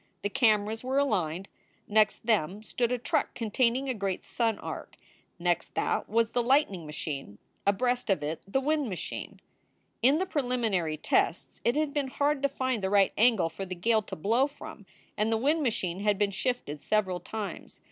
The cameras were aligned. Next them stood a truck containing a great sun arc. Next that was the light ning machine, abreast of it the wind machine. In the preliminary tests it had been hard to find the right angle for the gale to blow from, and the wind machine had been shifted several times.